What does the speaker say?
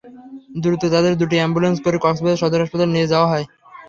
দ্রুত তাঁদের দুটি অ্যাম্বুলেন্সে করে কক্সবাজার সদর হাসপাতালে নিয়ে যাওয়া হয়।